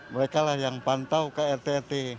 mereka lah yang pantau ke rt rt